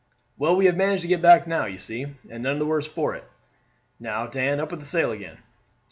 "Well, we have managed to get back now, you see, and none the worse for it. Now, Dan, up with the sail again."